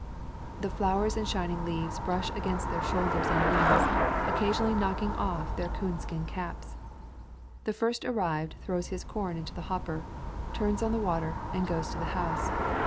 The flowers and shining leaves brush against their shoulders and knees, occa sionally knocking off their coon skin caps. The first arrived throws his corn into the hopper, turns on the water, and goes to the house.